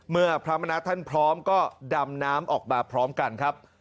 เมื่อพระมณัฐท่านพร้อมก็ดำน้ำออกมาพร้อมกันครับ